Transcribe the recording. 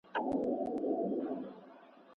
هوښیارانو!